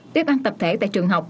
tiếp ăn tập thể tại trường học